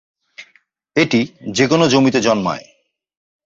এটি যেকোন জমিতে জন্মায়।